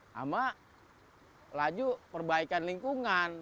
sama laju perbaikan lingkungan